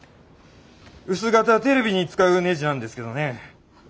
薄型テレビに使うねじなんですけどね。